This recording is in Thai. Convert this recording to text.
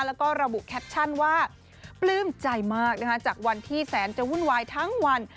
แล้วก็ระบุแคปชั่นว่าปลื้มใจมากนะคะจากวันที่แสนจะวุ่นวายทั้งวัน